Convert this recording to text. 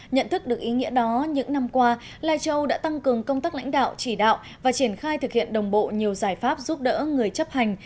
nhận thức được ý nghĩa đó những năm qua lai châu đã tăng cường công tác lãnh đạo chỉ đạo và triển khai thực hiện đồng bộ nhiều giải pháp giúp đỡ người chấp hành